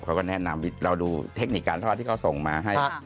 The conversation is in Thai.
เขาก็แนะนำเราดูเทคนิคการทอดที่เขาส่งมาให้